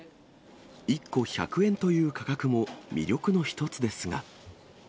１個１００円という価格も魅力の一つですが。